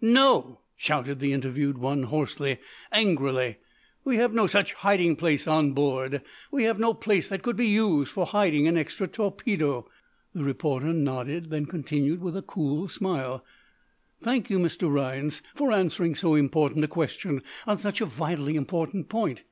"No!" shouted the interviewed one, hoarsely, angrily. "We have no such hiding place on board. We have no place that could be used for hiding an extra torpedo." The reporter nodded, then continued with a cool smile: "Thank you, Mr. Rhinds, for answering so important a question on such a vitally important point.